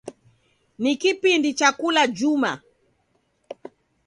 Ni kipindi cha kula juma.